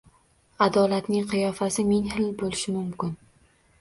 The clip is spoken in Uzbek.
Adolatning qiyofasi ming xil bo’lishi mumkin.